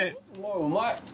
うまい。